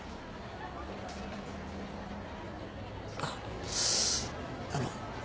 あっあの。